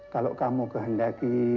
kalau kamu kehendaki